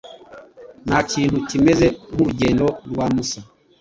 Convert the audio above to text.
Ntakintu kimeze nkurugendo rwa musa.